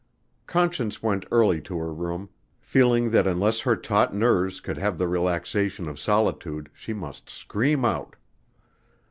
Conscience went early to her room, feeling that unless her taut nerves could have the relaxation of solitude, she must scream out.